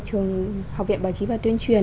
trường học viện bảo chí và tuyên truyền